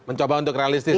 mencoba untuk realistis juga